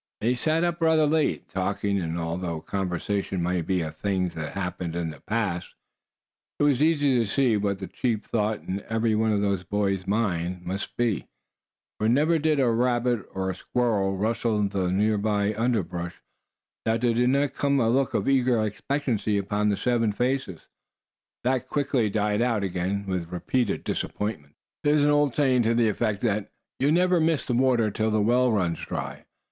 They sat up rather late, talking. And although the conversation might be of things that had happened in the past, it was easy to see what the chief thought in every one of those boys' minds must be; for never did a rabbit or a squirrel rustle the near by underbrush that there did not come a look of eager expectancy upon seven faces, that quickly died out again with repeated disappointments. There is an old saying to the effect that "you never miss the water till the well runs dry."